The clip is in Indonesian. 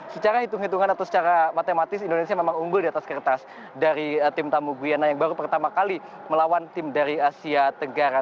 secara hitung hitungan atau secara matematis indonesia memang unggul di atas kertas dari tim tamu guyana yang baru pertama kali melawan tim dari asia tenggara